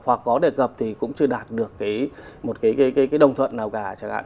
hoặc có đề cập thì cũng chưa đạt được một cái đồng thuận nào cả chẳng hạn